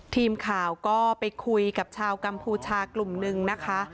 ทีมข่าวก็ไปคุยกับชาวกัมพูชากลุ่มหนึ่งนะคะ